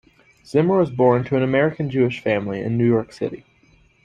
Zimmer was born to an American Jewish family in New York City.